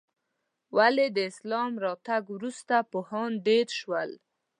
ولې د اسلام راتګ وروسته پوهان ډېر شول؟